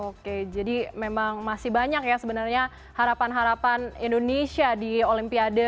oke jadi memang masih banyak ya sebenarnya harapan harapan indonesia di olimpiade dua ribu dua puluh empat nanti di paris